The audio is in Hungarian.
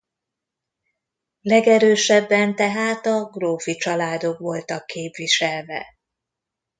Legerősebben tehát a grófi családok voltak képviselve.